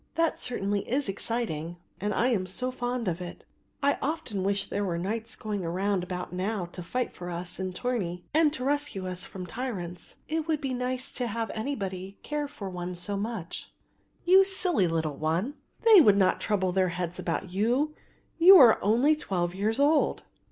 That certainly is exciting and I am so fond of it. I often wish that there were knights going about now to fight for us in tourney and to rescue us from tyrants. It would be nice to have anybody care for one so much." "You silly little one, they would not trouble their heads about you, you are only twelve years old."